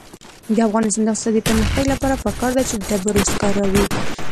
د افغانستان د اقتصادي پرمختګ لپاره پکار ده چې ډبرو سکاره وي.